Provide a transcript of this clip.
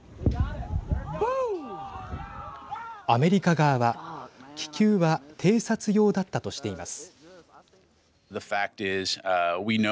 アメリカ側は気球は偵察用だったとしています。